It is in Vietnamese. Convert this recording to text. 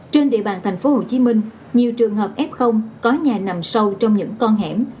trên địa bàn tp hcm nhiều trường hợp f có nhà nằm sâu trong những con hẻm